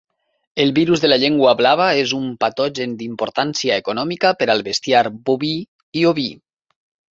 El virus de la llengua blava és un patogen d'importància econòmica per al bestiar boví i oví.